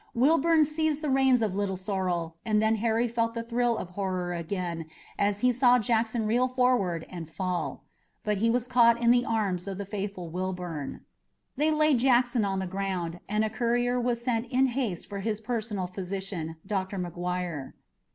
Wilbourn seized the reins of Little Sorrel and then Harry felt the thrill of horror again as he saw Jackson reel forward and fall. But he was caught in the arms of the faithful Wilbourn. They laid Jackson on the ground, and a courier was sent in haste for his personal physician, Dr. McGuire.